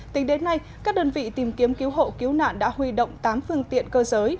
tính đến nay các đơn vị tìm kiếm cứu hộ cứu nạn đã huy động tám phương tiện cơ giới